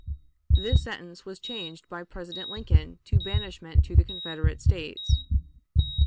This sentence was changed by President Lincoln to banishment to the Confederate States.